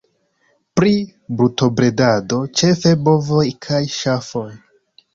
Pri brutobredado ĉefe bovoj kaj ŝafoj.